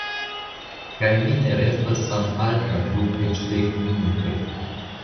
Kaj mi ne restas samalta dum eĉ dek minutoj.